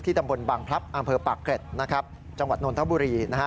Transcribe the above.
ตำบลบางพลับอำเภอปากเกร็ดนะครับจังหวัดนนทบุรีนะฮะ